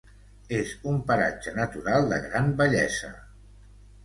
És un paratge natural de gran bellesa.